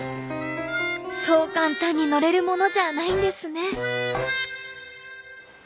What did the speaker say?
そう簡単に乗れるものじゃないんですね。